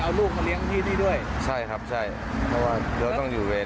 เอาลูกมาเลี้ยงที่นี่ด้วยใช่ครับใช่เพราะว่าเดี๋ยวต้องอยู่เวร